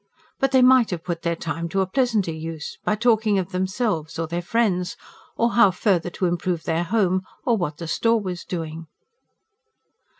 But they might have put their time to a pleasanter use: by talking of themselves, or their friends, or how further to improve their home, or what the store was doing.